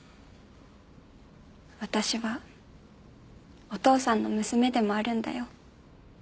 私はお父さんの娘でもあるんだよ。